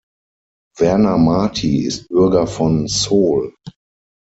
Werner Marti ist Bürger von Sool.